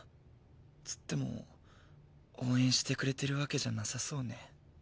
つっても応援してくれてるわけじゃなさそうね。